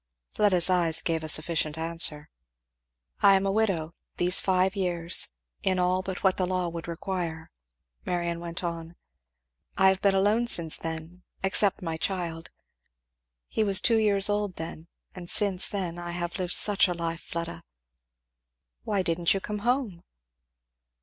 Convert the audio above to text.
Fleda's eyes gave a sufficient answer. "I am a widow these five years in all but what the law would require," Marion went on. "I have been alone since then except my child. He was two years old then; and since then I have lived such a life, Fleda! " "Why didn't you come home?"